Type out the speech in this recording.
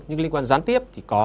nhưng liên quan gián tiếp thì có